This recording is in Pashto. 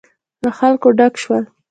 له خلکو ډک شول.